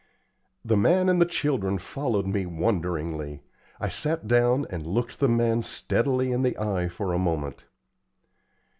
The man and the children followed me wonderingly. I sat down and looked the man steadily in the eye for a moment.